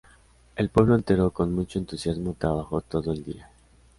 El pueblo entero, con mucho entusiasmo, trabajó todo el día.